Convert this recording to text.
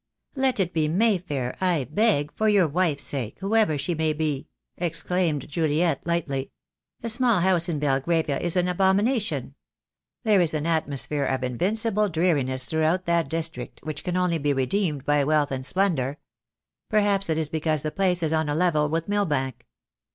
"Let it be May Fair, I beg — for your wife's sake, whoever she may be," exclaimed Juliet lightly. "A small house in Belgravia is an abomination. There is an atmosphere of invincible dreariness throughout that district which can only be redeemed by wealth and splendour. Perhaps it is because the place is on a level with Mill bank.